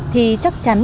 thì chắc chắn